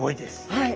はい。